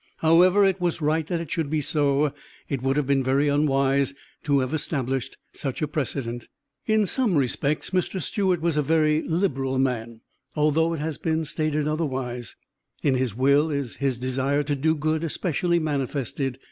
However, it was right that it should be so; it would have been very unwise to have established such a precedent. In some respects, Mr. Stewart was a very liberal man, although it has been stated otherwise. In his will is his desire to do good especially manifested.